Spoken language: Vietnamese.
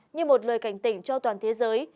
như một lời cảnh tỉnh cho toàn thế giới